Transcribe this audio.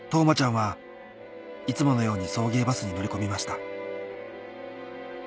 生ちゃんはいつものように送迎バスに乗り込みました